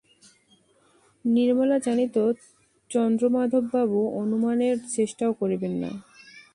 নির্মলা জানিত চন্দ্রমাধববাবু অনুমানের চেষ্টাও করিবেন না।